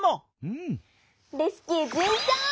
レスキューじゅんちょう！